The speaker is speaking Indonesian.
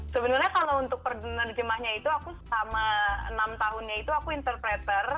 sebenarnya kalau untuk penerjemahnya itu aku selama enam tahunnya itu aku interpreter